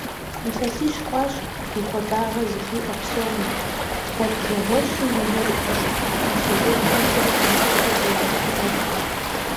Илъэсищ хъуащ гу хуабагъэ зыхуиӏэ псоми, гъуабжэгъуэщу и нэгу къыщӏыхьэ кхъуафэжьейхэмкӏэ мы ӏуфэр зэрабгынэрэ.